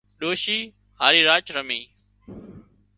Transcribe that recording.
ڏوشي هاري راچ رمي